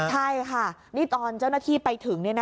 ใช่ค่ะนี่ตอนเจ้าหน้าที่ไปถึง